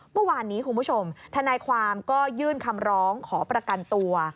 เมื่อวานนี้คุณผู้ชมทนายความก็ยื่นคำร้องขอประกันตัว